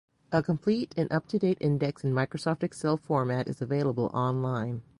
A complete and up-to-date index in Microsoft Excel format is available online.